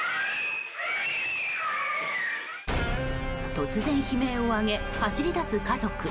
突然、悲鳴を上げ走り出す家族。